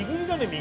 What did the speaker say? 右。